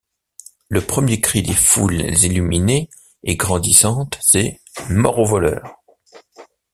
Le premier cri des foules illuminées et grandissantes c’est: mort aux voleurs!